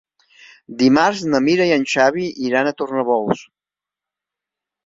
Dimarts na Mira i en Xavi iran a Tornabous.